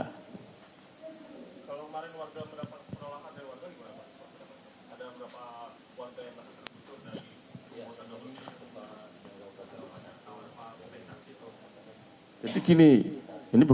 kalau kemarin warga mendapat penolakan dari warga gimana pak